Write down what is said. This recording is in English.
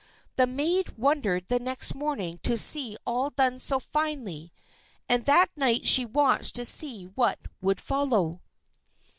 The maid wondered the next morning to see all done so finely, and that night she watched to see what would follow.